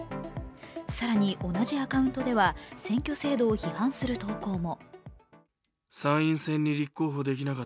更に、同じアカウントでは選挙制度を批判する投稿も。